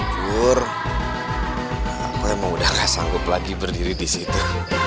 jujur aku emang udah gak sanggup lagi berdiri disitu